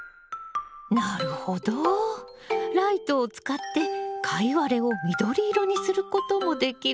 なるほどライトを使ってカイワレを緑色にすることもできるのね。